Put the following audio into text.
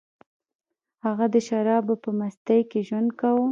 هغه د شرابو په مستۍ کې ژوند کاوه